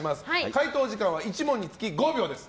解答時間は１問につき５秒です。